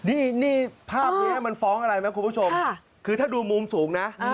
นี่ภาพนี้มันฟ้องอะไรไหมคุณผู้ชมคือถ้าดูมุมสูงนะ